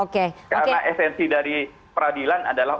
karena esensi dari peradilan adalah